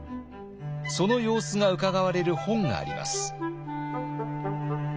その様子がうかがわれる本があります。